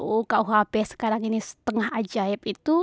bukan dikawal dari ru kuhp sekarang ini setengah ajaib itu